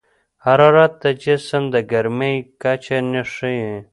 حرارت د جسم د ګرمۍ کچه ښيي.